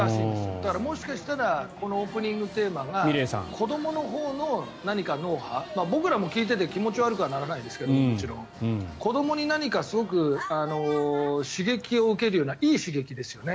だからもしかしたらこのオープニングテーマが子どものほうの何か脳波僕も聴いていて気持ち悪くはもちろんなりませんが子どもに何かすごく刺激を受けるようないい刺激ですよね。